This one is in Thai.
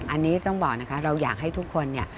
อันนี้ต้องบอกนะคะเราอยากให้ทุกคนเนี่ย